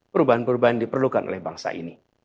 perubahan perubahan diperlukan oleh bangsa ini